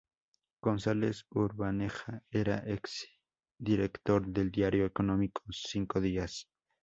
González Urbaneja era exdirector del diario económico "Cinco Días".